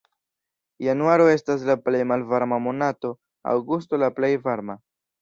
Januaro estas la plej malvarma monato, aŭgusto la plej varma.